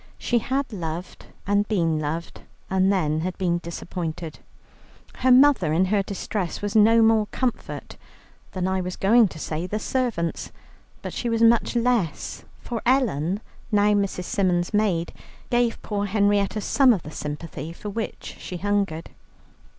She had loved and been loved, and then had been disappointed. Her mother in her distress was no more comfort than, I was going to say, the servants, but she was much less, for Ellen, now Mrs. Symons' maid, gave poor Henrietta some of the sympathy for which she hungered.